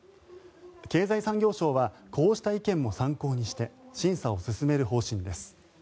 経済産業省はこうした意見も参考にして審査を進める方針です。